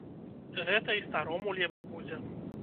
Гэта і старому лепш будзе.